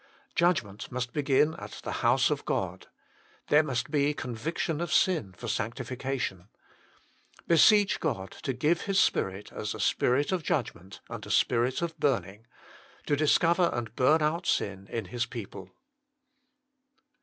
Judgment must begin at the house of God. There must be conviction of sin for sanctification. Beseech God to give His Spirit as a spirit of judgment and a spirit of burning to discover and burn out sin in His people.